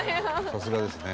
さすがですね。